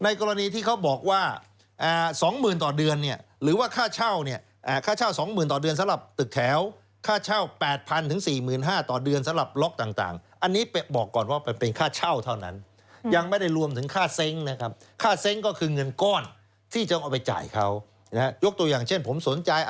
ในกรณีที่เขาบอกว่าอ่าสองหมื่นต่อเดือนเนี่ยหรือว่าค่าเช่าเนี่ยอ่าค่าเช่าสองหมื่นต่อเดือนสำหรับตึกแถวค่าเช่าแปดพันถึงสี่หมื่นห้าต่อเดือนสำหรับล็อกต่างต่างอันนี้ไปบอกก่อนว่าเป็นค่าเช่าเท่านั้นยังไม่ได้รวมถึงค่าเซ็งนะครับค่าเซ็งก็คือเงินก้อนที่จะเอาไปจ่ายเขานะฮะย